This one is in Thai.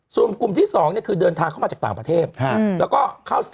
ส่วนกลุ่มที่สองเนี้ยคือเดินทางเข้ามาจากต่างประเทศฮะแล้วก็เข้า